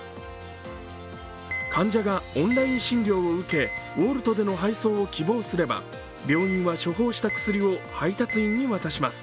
患者がオンライン診療を受け、Ｗｏｌｔでの配送を希望すれば病院は処方した薬を配達員に渡します。